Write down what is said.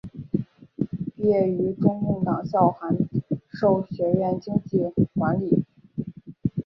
毕业于中央党校函授学院经济管理。